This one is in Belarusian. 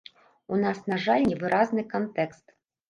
У нас, на жаль, невыразны кантэкст.